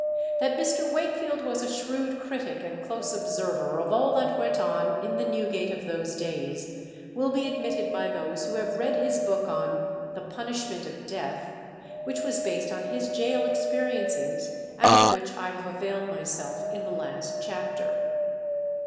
That Mr. Wakefield was a shrewd critic and close observer of all that went on in the Newgate of those days, will be admitted by those who have read his book on "the punishment of death," which was based on his gaol experiences, and of which I have availed myself in the last chapter.